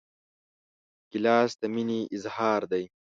ګیلاس د مینې اظهار دی.